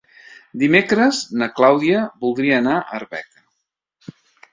Dimecres na Clàudia voldria anar a Arbeca.